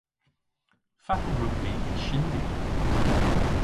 Fatel wrug vy hy shyndya?